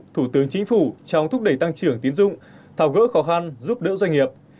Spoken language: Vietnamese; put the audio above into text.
thủ tướng chính phủ trong thúc đẩy tăng trưởng tiến dụng thảo gỡ khó khăn giúp đỡ doanh nghiệp